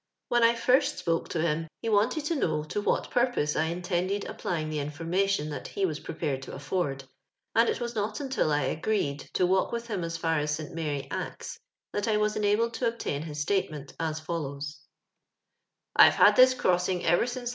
When I first spoke to him, he wanted to know to what purpose I intended applying the information that he was prepared to af ford, and it was not until I agreed to walk with him as far as St Mary Axe that I was enabled to obtain his statement, as fol lows :—*' I've had this crossing ever since '88.